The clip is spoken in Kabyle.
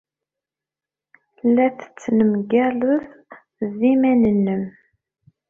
La tettnemgaled ed yiman-nnem.